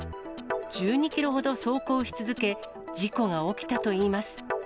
１２キロほど走行し続け、事故が起きたといいます。